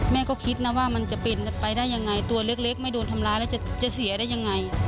แม่ก็คิดนะว่ามันจะเป็นไปได้ยังไงตัวเล็กไม่โดนทำร้ายแล้วจะเสียได้ยังไง